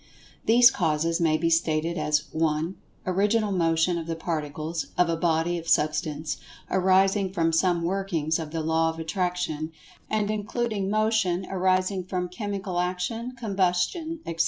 These[Pg 124] causes may be stated as (1) Original Motion of the Particles of a body of Substance, arising from some workings of the Law of Attraction, and including Motion arising from Chemical Action, Combustion, etc.